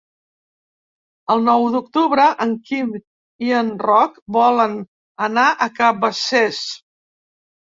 El nou d'octubre en Quim i en Roc volen anar a Cabacés.